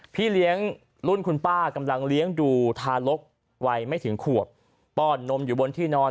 พี่เลี้ยงรุ่นคุณป้ากำลังเลี้ยงดูทารกวัยไม่ถึงขวบป้อนนมอยู่บนที่นอน